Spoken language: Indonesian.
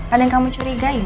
ada yang kamu curigain